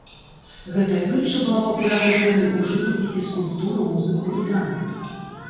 Гэтая прытча была папулярнай тэмай у жывапісе, скульптуры, музыцы і драме.